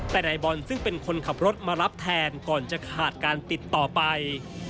แต่นายบอลซึ่งเป็นคนขับรถมารับแทนก่อนจะขาดการติดต่อไป